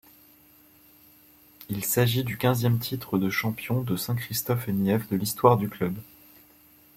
Il s’agit du quinzième titre de champion de Saint-Christophe-et-Niévès de l'histoire du club.